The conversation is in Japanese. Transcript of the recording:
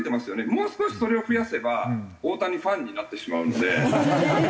もう少しそれを増やせば大谷ファンになってしまうので。